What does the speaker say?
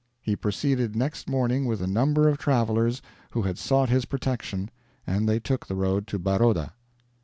He proceeded next morning with a number of travelers who had sought his protection, and they took the road to Baroda."